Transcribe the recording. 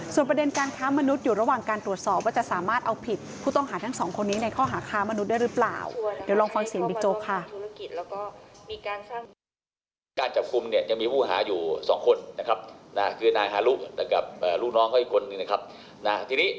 ส่วนประเด็นการค้ามนุษย์อยู่ระหว่างการตรวจสอบว่าจะสามารถเอาผิดผู้ต้องหาทั้ง๒คนนี้ในข้อหาค้ามนุษย์ได้หรือเปล่า